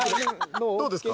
どうですか？